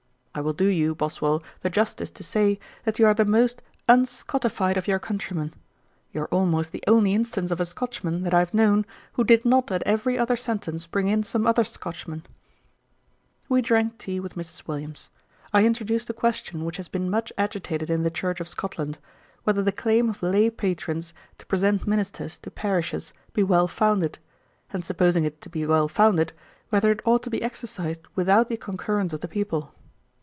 I will do you, Boswell, the justice to say, that you are the most unscottified of your countrymen. You are almost the only instance of a Scotchman that I have known, who did not at every other sentence bring in some other Scotchman.' We drank tea with Mrs. Williams. I introduced a question which has been much agitated in the Church of Scotland, whether the claim of lay patrons to present ministers to parishes be well founded; and supposing it to be well founded, whether it ought to be exercised without the concurrence of the people?